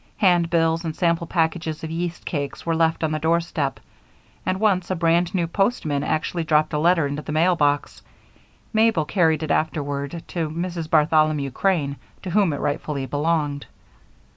Handbills and sample packages of yeast cakes were left on the doorstep, and once a brand new postman actually dropped a letter into the letter box; Mabel carried it afterward to Mrs. Bartholomew Crane, to whom it rightfully belonged.